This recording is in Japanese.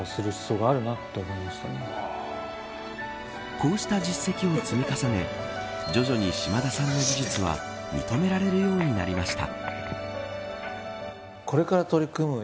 こうした実績を積み重ね徐々に島田さんの技術は認められるようになりました。